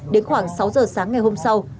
đến khoảng sáu giờ sáng ngày hôm sau